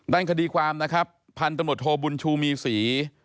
ด้านคดีความนะครับพันธุ์ตำรวจโทบุญชูมีศรี